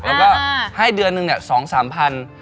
แล้วก็ให้เดือนหนึ่ง๒๐๐๐๓๐๐๐บาท